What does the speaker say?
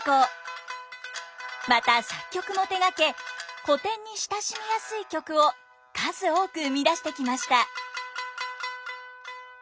また作曲も手がけ古典に親しみやすい曲を数多く生み出してきました。